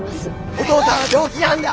お父さんは病気なんだ！